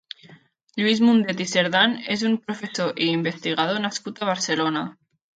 Lluís Mundet i Cerdan és un professor i investigador nascut a Barcelona.